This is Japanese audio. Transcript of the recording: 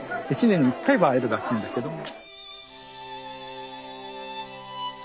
１年に１回は会えるらしいんだけども。